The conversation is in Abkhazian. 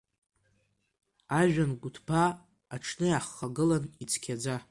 Ажәҩан гәыҭбаа аҽны иаҳхагылан ицқьаӡа.